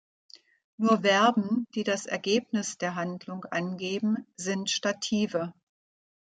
Nur Verben, die das Ergebnis der Handlung angeben, sind Stative.